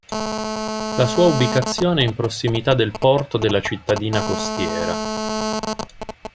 La sua ubicazione è in prossimità del porto della cittadina costiera.